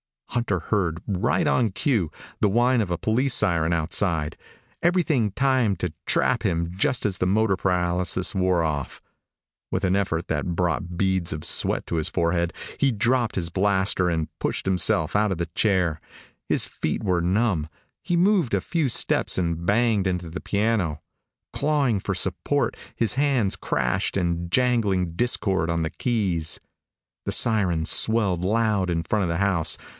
Hunter heard right on cue the whine of a police siren outside. Everything timed to trap him just as the motor paralysis wore off! With an effort that brought beads of sweat to his forehead, he dropped his blaster and pushed himself out of the chair. His feet were numb. He moved a few steps and banged into the piano. Clawing for support, his hands crashed in jangling discord on the keys. The siren swelled loud in front of the house.